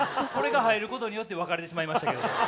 これが入ることによって分かれてしまいましたけれども。